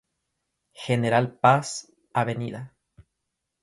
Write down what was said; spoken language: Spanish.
General Paz, Av.